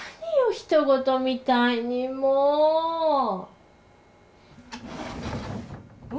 ひと事みたいにもう。